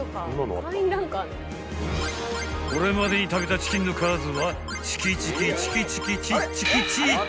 ［これまでに食べたチキンの数はチキチキチキチキチッチキチーと］